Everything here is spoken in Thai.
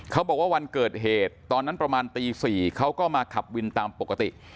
บอกว่าวันเกิดเหตุตอนนั้นประมาณตี๔เขาก็มาขับวินตามปกติ